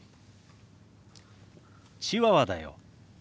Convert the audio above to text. チワワだよ。